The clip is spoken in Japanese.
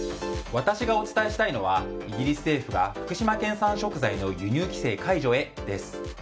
私がお伝えしたいのはイギリス政府が福島県産食材の輸入規制解除へ、です。